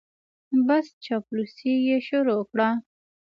بس چاپلوسي یې شروع کړه.